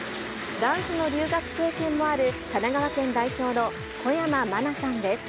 ダンスの留学経験もある神奈川県代表の小山麻菜さんです。